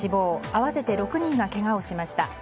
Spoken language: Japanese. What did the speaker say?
合わせて６人がけがをしました。